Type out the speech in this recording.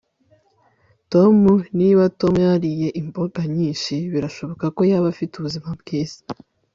Tom Niba Tom yariye imboga nyinshi birashoboka ko yaba afite ubuzima bwiza